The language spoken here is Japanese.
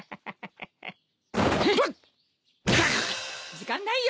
時間ないよ。